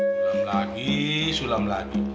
sulam lagi sulam lagi